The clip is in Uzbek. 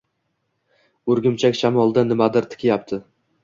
O’rgimchak shamoldan nimadir tikyapti…